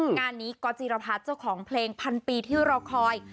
งานนี้ก๊อตจิรพัฒน์เจ้าของเพลงพันปีที่รอคอย